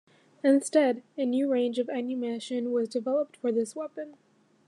Instead, a new range of ammunition was developed for this weapon.